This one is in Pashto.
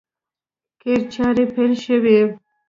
قیر چارې پیل شوې!